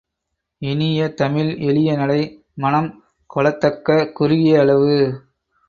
இனிய தமிழ், எளிய நடை, மனம் கொளத்தக்க குறுகிய அளவு.